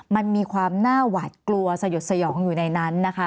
มันมีความน่าหวาดกลัวสยดสยองอยู่ในนั้นนะคะ